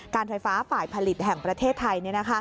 ไฟฟ้าฝ่ายผลิตแห่งประเทศไทย